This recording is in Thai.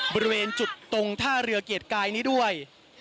บริเวณจุดตรงท่าเรือเกียรติกายนี้ด้วย